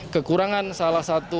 kekurangan salah satu